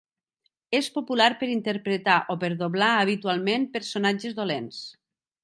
És popular per interpretar o per doblar habitualment personatges dolents.